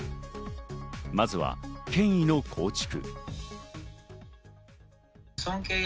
まずは権威の構築。